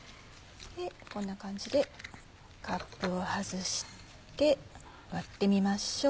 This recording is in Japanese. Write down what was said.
こんな感じでカップを外して割ってみましょう。